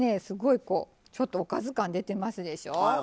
すごいこうちょっとおかず感出てますでしょう？